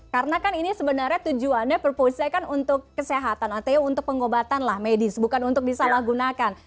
karena kan ini sebenarnya tujuannya proposinya kan untuk kesehatan artinya untuk pengobatan lah medis bukan untuk disalahgunakan